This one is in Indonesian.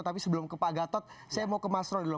tapi sebelum ke pak gatot saya mau ke mas roy dulu